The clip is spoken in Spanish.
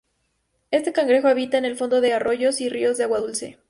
Este cangrejo habita en el fondo de arroyos y ríos de agua dulce.